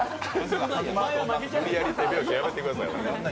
無理やり手拍子やめてくださいよ。